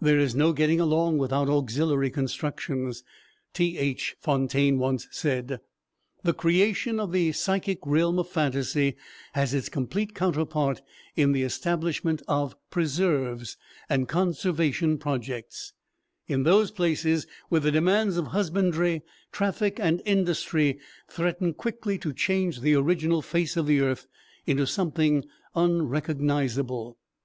"There is no getting along without auxiliary constructions," Th. Fontaine once said. The creation of the psychic realm of fancy has its complete counterpart in the establishment of "preserves" and "conservation projects" in those places where the demands of husbandry, traffic and industry threaten quickly to change the original face of the earth into something unrecognizable.